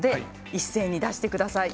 一斉に出してください。